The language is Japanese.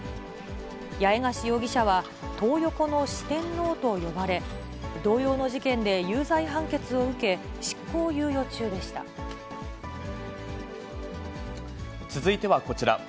八重樫容疑者はトー横の四天王と呼ばれ、同様の事件で有罪判決を続いてはこちら。